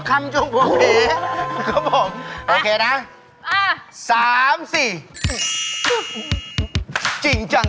หิดชวนหรือเปล่าผู้ชายนี้หวัดของฉัน